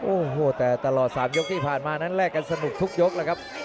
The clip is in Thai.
โอ้โหแต่ตลอด๓ยกที่ผ่านมานั้นแลกกันสนุกทุกยกแล้วครับ